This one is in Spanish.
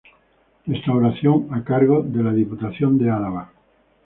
Restauración a cargo de la Diputación de Álava.